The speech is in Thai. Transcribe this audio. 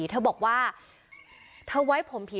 วิทยาลัยศาสตรี